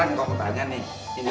eh emang ya emang